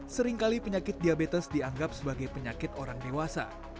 sering kali penyakit diabetes dianggap sebagai penyakit orang dewasa